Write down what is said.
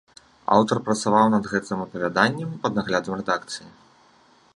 Аўтар працаваў над гэтым апавяданнем пад наглядам рэдакцыі.